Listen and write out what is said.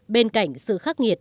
bên cạnh sự khắc nghiệt